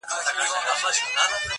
• د جانان چي په کوم لاره تله راتله وي..